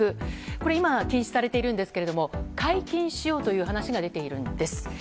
これ今は禁止されているんですが解禁しようという出ているんです。